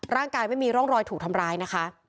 ร่างกายไม่มีร่องรอยถูกทำร้ายนะคะ